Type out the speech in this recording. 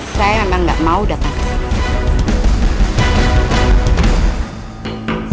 saya memang nggak mau datang ke sini